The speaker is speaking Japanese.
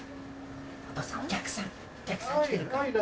お父さんお客さんお客さん来てるから。